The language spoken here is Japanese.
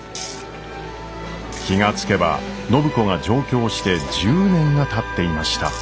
気が付けば暢子が上京して１０年がたっていました。